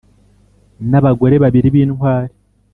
n abagore babiri b intwari